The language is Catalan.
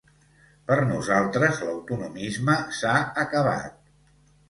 Per nosaltres l’autonomisme s’ha acabat.